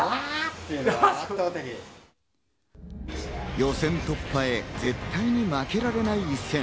予選突破へ絶対に負けられない一戦。